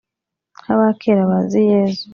nk'aba kera bazi yezu.